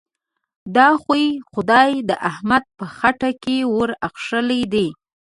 دا خوی؛ خدای د احمد په خټه کې ور اخښلی دی.